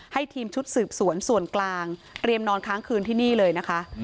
ให้ทีมชุดสืบสวนส่วนกลางเตรียมนอนค้างคืนที่นี่เลยนะคะ